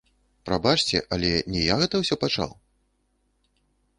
Прабачце, але не я гэта ўсё пачаў!